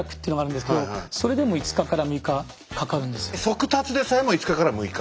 速達でさえも５日から６日。